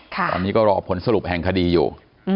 ตอนนี้ก็รอผลสรุปแห่งคดีอยู่